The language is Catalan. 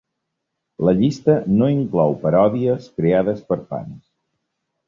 La llista no inclou paròdies creades per fans.